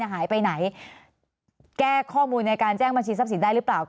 หายไปไหนแก้ข้อมูลในการแจ้งบัญชีทรัพย์สินได้หรือเปล่า